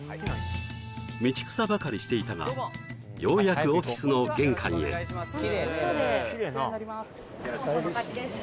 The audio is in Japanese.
道草ばかりしていたがようやくオフィスの玄関へよろしくお願いします